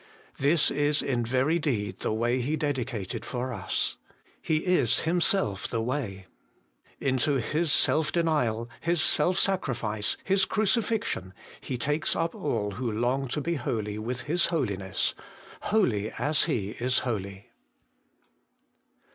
This is in very deed the way He dedicated for us. He is Himself the way ; into His self denial, His self sacrifice, His cruci fixion, He takes up all who long to be holy with His Holiness, holy as He is holy.